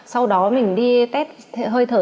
sau đó mình đi test hơi thở